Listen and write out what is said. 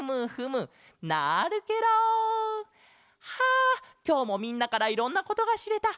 あきょうもみんなからいろんなことがしれた。